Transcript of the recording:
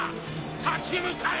立ち向かえ！